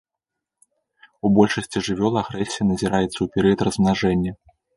У большасці жывёл агрэсія назіраецца ў перыяд размнажэння.